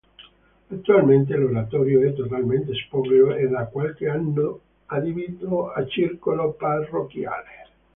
Attualmente l'oratorio è totalmente spoglio e da qualche anno adibito a circolo parrocchiale.